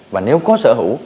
và nếu có sở hữu